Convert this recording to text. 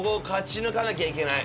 勝ち抜かなきゃいけない。